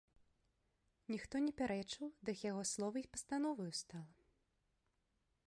Ніхто не пярэчыў, дык яго слова й пастановаю стала.